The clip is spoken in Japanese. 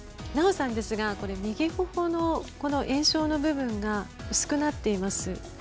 なおさんは右ほおの炎症の部分が薄くなっています。